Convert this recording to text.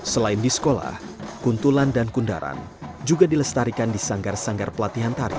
selain di sekolah kuntulan dan kundaran juga dilestarikan di sanggar sanggar pelatihan tari